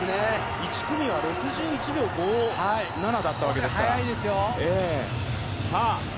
１組は６１秒５７だったわけですから。